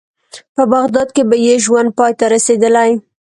په بغداد کې به یې ژوند پای ته رسېدلی.